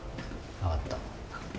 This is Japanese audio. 分かった。